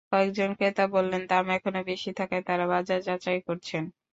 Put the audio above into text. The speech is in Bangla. কয়েকজন ক্রেতা বললেন, দাম এখনো বেশি থাকায় তাঁরা বাজার যাচাই করছেন।